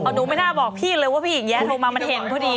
หนูไม่น่าบอกพี่เลยว่าพี่หญิงแย้โทรมามันเห็นพอดี